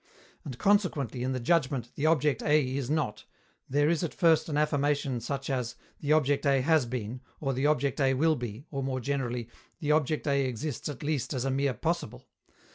And consequently, in the judgment "The object A is not," there is at first an affirmation such as "The object A has been," or "The object A will be," or, more generally, "The object A exists at least as a mere possible."